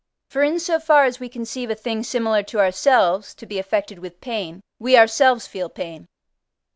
For in so far as we conceive a thing similar to ourselves to be affected with pain, we ourselves feel pain.